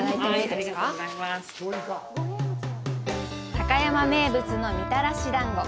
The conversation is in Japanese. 高山名物のみたらしだんご。